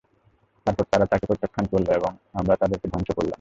তারপর তারা তাকে প্রত্যাখ্যান করল এবং আমরা তাদেরকে ধ্বংস করলাম।